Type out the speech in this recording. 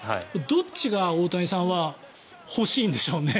どっちが大谷さんは欲しいんでしょうね。